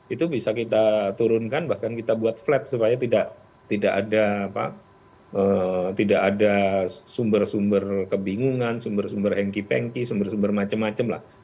itu bisa kita turunkan bahkan kita buat flat supaya tidak ada sumber sumber kebingungan sumber sumber hengki pengki sumber sumber macam macam lah